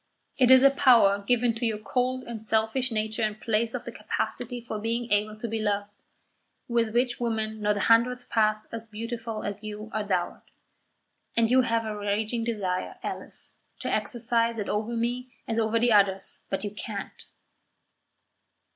It is a power given to your cold and selfish nature in place of the capacity for being able to be loved, with which women not a hundredth part as beautiful as you are dowered, and you have a raging desire, Alice, to exercise it over me as over the others; but you can't."